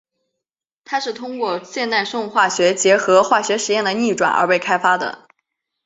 它是通过现代生物化学结合化学实验的逆转而被开发的。